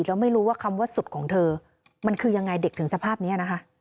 แล้วไม่รู้ว่าคำว่าสุดของเธอมันคือยังไงเด็กถึงสภาพนี้นะคะ